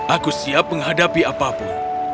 aku siap menghadapi apapun